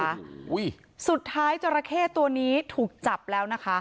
แบบนี้ได้ยังไงนะคะอุ้ยสุดท้ายจราเขตัวนี้ถูกจับแล้วนะคะ